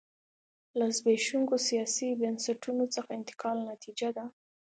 له زبېښونکو سیاسي بنسټونو څخه انتقال نتیجه ده.